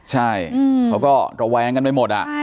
ใช่เขาก็ระแวงกันไปหมด